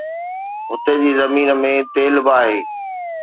هتي جي زمين ۾ تيل به آهي